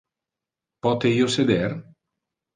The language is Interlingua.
Pote io seder?